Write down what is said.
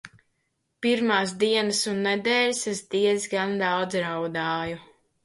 Pirmās dienas un nedēļas es diezgan daudz raudāju.